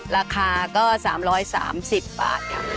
ราคาก็๓๓๐บาท